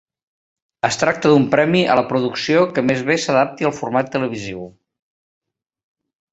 Es tracta d'un premi a la producció que més bé s'adapti al format televisiu.